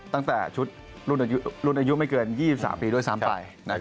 ตั้งแต่ชุดรุ่นอายุไม่เกิน๒๓ปีด้วยซ้ำไป